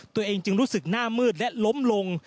ตัวเองจึงรู้สึกหน้ามืดและล้มลง